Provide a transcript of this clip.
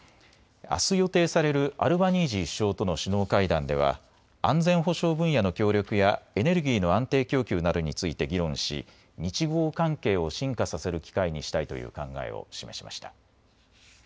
あす予定されるアルバニージー首相との首脳会談では安全保障分野の協力やエネルギーの安定供給などについて議論し日豪関係を深化させる機会にしたいという考えを示しました。